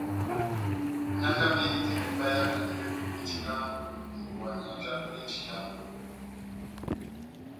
Mianga mehitɛ me paiyakandi bepuli tina ya ipuania ja dolɛ já iyamba